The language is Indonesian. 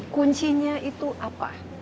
kuncinya itu apa